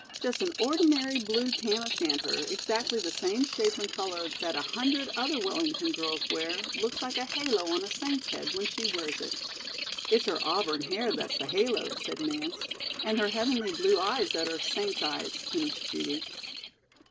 Just an ordinary blue tam o'shanter, exactly the same shape and color that a hundred other Wellington girls wear, looks like a halo on a saint's head when she wears it." "It's her auburn hair that's the halo," said Nance. "And her heavenly blue eyes that are saint's eyes," finished Judy.